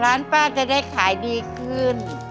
ร้านป้าจะได้ขายดีขึ้น